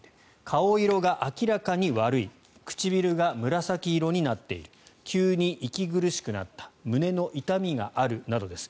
顔色が明らかに悪い唇が紫色になっている急に息苦しくなった胸の痛みがあるなどです。